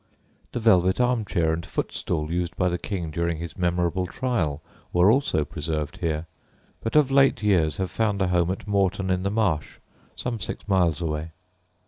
The velvet armchair and footstool used by the King during his memorable trial were also preserved here, but of late years have found a home at Moreton in the Marsh, some six miles away.